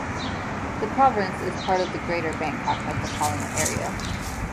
The province is part of the greater Bangkok Metropolitan Area.